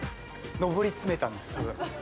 のぼり詰めたんです、たぶん。